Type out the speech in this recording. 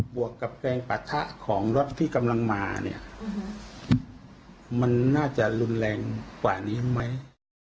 วกกับแรงปะทะของรถที่กำลังมาเนี่ยมันน่าจะรุนแรงกว่านี้ไหม